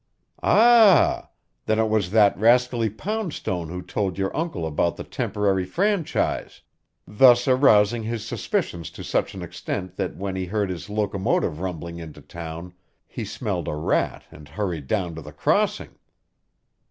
"Ah! Then it was that rascally Poundstone who told your uncle about the temporary franchise, thus arousing his suspicions to such an extent that when he heard his locomotive rumbling into town, he smelled a rat and hurried down to the crossing?"